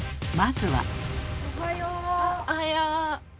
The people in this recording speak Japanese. まずは。